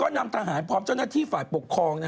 นำทหารพร้อมเจ้าหน้าที่ฝ่ายปกครอง